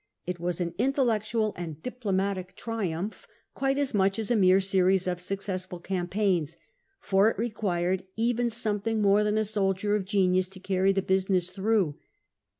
It was an intellectual and diplomatic triumph quite as much as a mere series of successful campaigns ; for it required even something more than a soldier of genius to carry the business through.